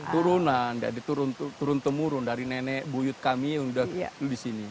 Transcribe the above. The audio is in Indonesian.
turunan dari turun temurun dari nenek buyut kami sudah di sini